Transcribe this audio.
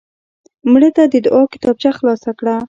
مړه ته د دعا کتابچه خلاص کړه